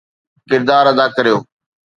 ڪردار ادا ڪريو